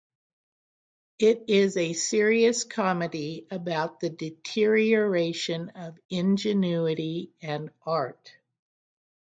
It is a serious comedy about the deterioration of ingenuity and art.